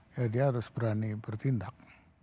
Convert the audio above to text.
ya dia harus berani bertindak